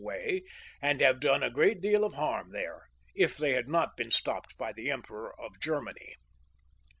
away, and have done a great deal of harm there, if they had not been stopped by the Emperor of Grermany.